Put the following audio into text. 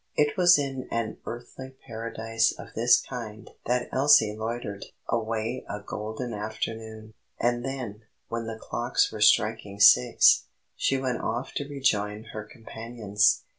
It was in an earthly paradise of this kind that Elsie loitered away a golden afternoon; and then, when the clocks were striking six, she went off to rejoin her companions.